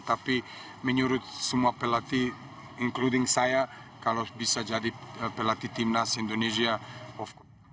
tapi menurut semua pelatih including saya kalau bisa jadi pelatih tim nasional indonesia of course